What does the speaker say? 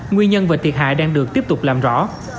nguyên nhân và thiệt hại đang được tiếp tục làm rõ